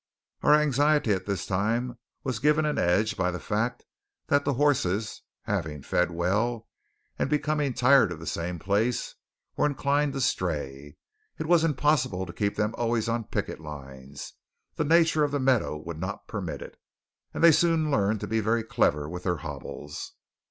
Our anxiety at this time was given an edge by the fact that the horses, having fed well, and becoming tired of the same place, were inclined to stray. It was impossible to keep them always on picket lines the nature of the meadow would not permit it and they soon learned to be very clever with their hobbles.